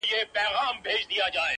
بیا د صمد خان او پاچاخان حماسه ولیکه!